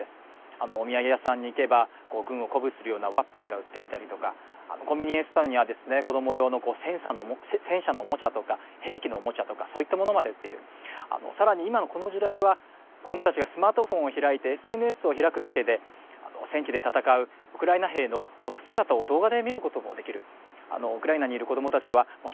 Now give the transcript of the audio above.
あのお土産屋さんに行けばこう軍を鼓舞するようなワッペンが売っていたりとかコンビニエンスストアにはですね子ども用のこう戦車のおもちゃとか兵器のおもちゃとかそういったものまで売っているさらに今のこの時代は子どもたちがスマートフォンを開いてＳＮＳを開くだけで戦地で戦うウクライナ兵の姿を動画で見ることもできるあのウクライナにいる子どもたちは日々ですね